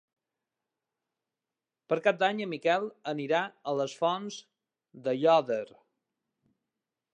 Per Cap d'Any en Miquel anirà a les Fonts d'Aiòder.